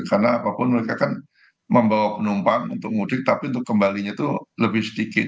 karena apapun mereka kan membawa penumpang untuk mudik tapi untuk kembalinya itu lebih sedikit